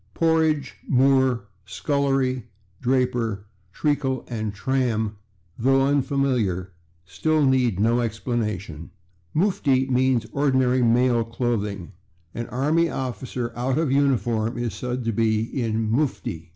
/Porridge/, /moor/, /scullery/, /draper/, /treacle/ and /tram/, though unfamiliar, still need no explanation. /Mufti/ means ordinary male clothing; an army officer out of uniform is said to be in /mufti